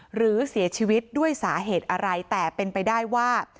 หรือเสียชีวิตด้วยสาเหตุอะไรแต่เป็นไปได้ว่า